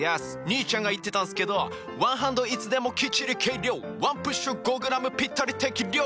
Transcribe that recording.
兄ちゃんが言ってたんすけど「ワンハンドいつでもきっちり計量」「ワンプッシュ５ｇぴったり適量！」